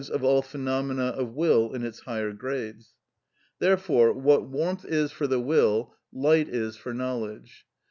_, of all phenomena of will in its higher grades. Therefore, what warmth is for the will, light is for knowledge.